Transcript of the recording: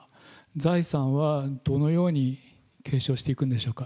財産はどのように継承していくんでしょうか。